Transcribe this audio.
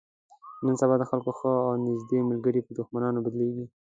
نن سبا د خلکو ښه او نیږدې ملګري په دښمنانو بدلېږي.